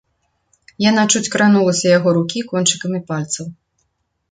Яна чуць кранулася яго рукі кончыкамі пальцаў.